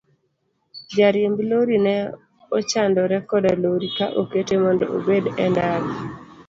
Jariemb lori ne ochandore koda lori ka okete mondo obed e ndara.